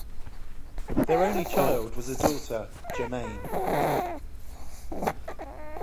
Their only child was a daughter Germaine.